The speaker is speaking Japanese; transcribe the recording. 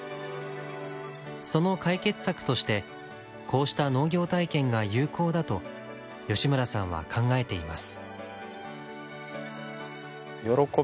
その解決策としてこうした農業体験が有効だと吉村さんは考えています。